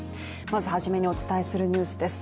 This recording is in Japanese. まずはじめにお伝えするニュースです。